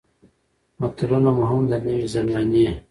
متلونه مو هم د نوې زمانې